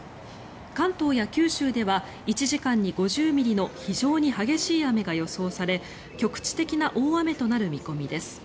関東や九州では１時間に５０ミリの非常に激しい雨が予想され局地的な大雨となる見込みです。